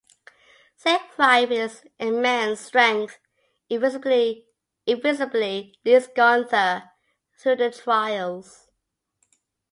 Siegfried, with his immense strength, invisibly leads Gunther through the trials.